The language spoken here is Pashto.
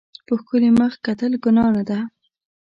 په ښکلي مخ کتل ګناه نه ده.